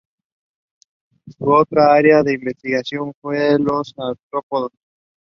Su otra área de investigación fue en los artrópodos.